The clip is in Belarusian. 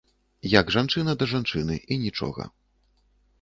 Як жанчына да жанчыны, і нічога.